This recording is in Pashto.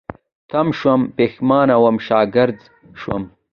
تم شوم، پيښمانه وم، شاګرځ شوم